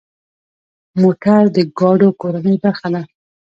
موټر د ګاډو کورنۍ برخه ده.